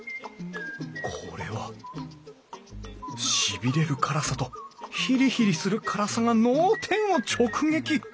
これはしびれる辛さとヒリヒリする辛さが脳天を直撃！